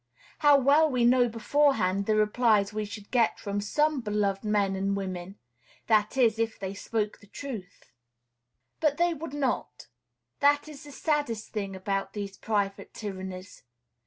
How well we know beforehand the replies we should get from some beloved men and women, that is, if they spoke the truth! But they would not. That is the saddest thing about these private tyrannies.